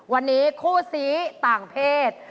วันนี้คู่ซี้ต่างเพศ